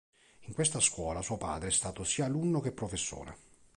In questa scuola suo padre è stato sia alunno che professore.